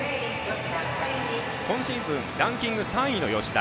今シーズンランキング３位の吉田。